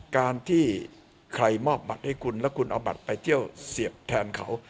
การที่ใครมอบบัตรให้คุณแล้วคุณเอาบัตรไปเที่ยวเสียบแทนเขา